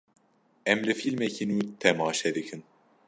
Em li fîlmekî nû temaşe dikin.